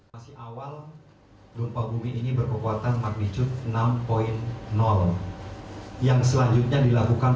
masih awal gempa bumi ini berkekuatan magnitude enam yang selanjutnya dilakukan